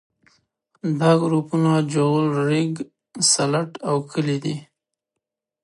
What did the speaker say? دا ګروپونه جغل ریګ سلټ او کلې دي